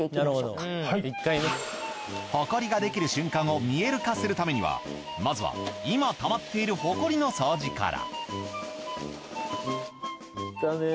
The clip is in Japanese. ホコリができる瞬間を見える化するためにはまずは今たまっているホコリの掃除から。